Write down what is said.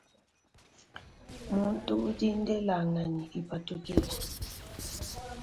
Muntu udi ndelanganyi ipatukila.